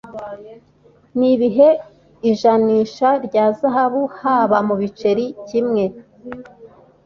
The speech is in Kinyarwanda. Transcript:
Nibihe ijanisha rya Zahabu Haba Mubiceri Kimwe?